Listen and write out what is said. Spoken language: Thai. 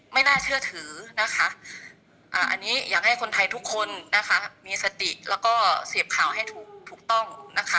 ไม่น่าเชื่อถืออันนี้อยากให้คนไทยทุกคนมีสติแล้วก็เสียบข่าวให้ถูกต้อง